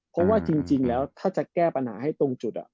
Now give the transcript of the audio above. เพราะว่าจริงแล้วถ้าจะแก้ปัญหาให้ตรงจุด